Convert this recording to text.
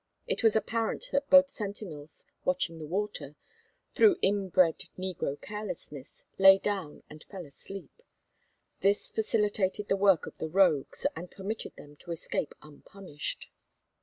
It was apparent that both sentinels, watching the water, through inbred negro carelessness, lay down and fell asleep. This facilitated the work of the rogues and permitted them to escape unpunished.